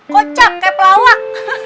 kocak kayak pelawak